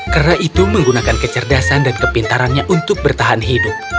kera itu menggunakan kecerdasan dan kepintarannya untuk bertahan hidup